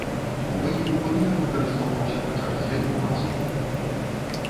У выніку будынак выкарыстоўваўся па чарзе двума суполкамі.